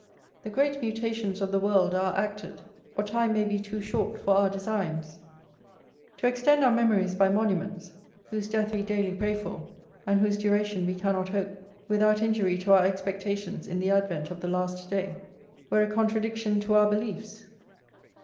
The great mutations of the world are acted, or time may be too short for our designs. To extend our memories by monuments, whose death we daily pray for, and whose duration we cannot hope, without injury to our expectations in the advent of the last day, were a contradiction to our beliefs.